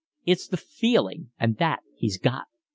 It's the feeling, and that he's got.